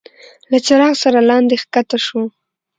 له څراغ سره لاندي کښته شو.